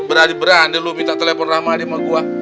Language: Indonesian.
berani berani lu minta telepon rahmadi sama gua